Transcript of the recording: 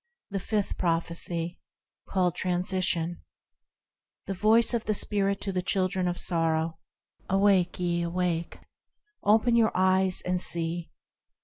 The Fifth Prophecy, called Transition THE Voice of the Spirit to the children of sorrow,– Arise ye ! Awake ! Open your eyes, and see